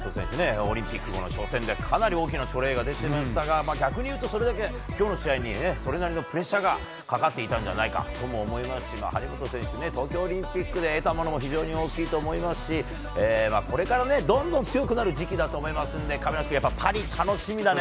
オリンピック後の初戦でかなり大きなチョレイが出てきましたが逆に言うとそれだけ今日の試合にそれなりのプレッシャーがかかっていたんじゃないかと思いますし張本選手、東京オリンピックで得たものも非常に大きいと思いますしこれからどんどん強くなる時期だと思いますので亀梨君、パリ楽しみだね。